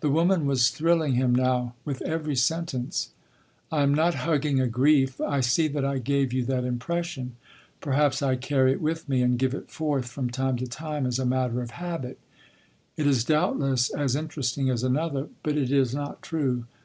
The woman was thrilling him now with every sentence: "I am not hugging a grief. I see that I gave you that impression. Perhaps I carry it with me—and give it forth from time to time as a matter of habit. It is doubtless as interesting as another, but it is not true.